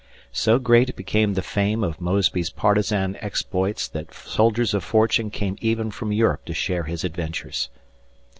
So great became the fame of Mosby's partisan exploits that soldiers of fortune came even from Europe to share his adventures.